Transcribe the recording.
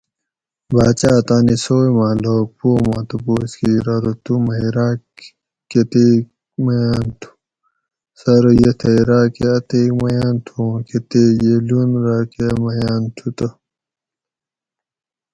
باچاۤ تانی سوئے ما لوک پو ما تپوس کیر ارو تو مئی راۤکہ کۤتیک میاۤن تُھو؟ سہ ارو یہ تھئی راۤکہ اتیک میاۤن تھو اوں کتیک یہ لون راکہ میاۤن تھو تہ